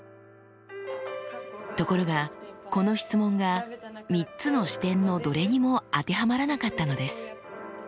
ところがこの質問が３つの視点のどれにも当てはまらなかったのです。